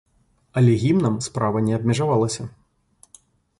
Але гімнам справа не абмежавалася.